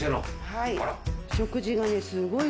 はい。